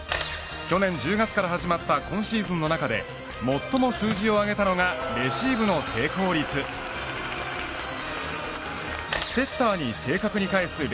去年１０月から始まった今シーズンの中で最も数字を上げたのがレシーブの成功率セッターに正確に返す